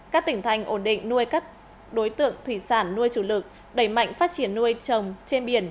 các tỉnh thành ổn định nuôi các đối tượng thủy sản nuôi chủ lực đẩy mạnh phát triển nuôi trồng trên biển